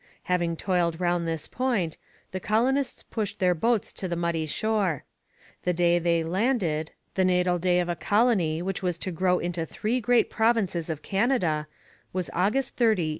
Having toiled round this point, the colonists pushed their boats to the muddy shore. The day they landed the natal day of a community which was to grow into three great provinces of Canada was August 30, 1812.